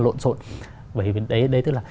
lộn xộn vậy đấy tức là